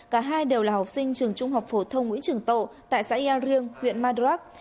cả hai đều là học sinh trường trung học phổ thông nguyễn trường tộ tại xã yà riêng huyện madurak